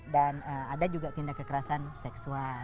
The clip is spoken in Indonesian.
dan ada juga tindak kekerasan seksual